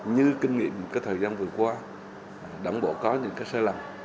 như kinh nghiệm cái thời gian vừa qua đảng bộ có những cái sai lầm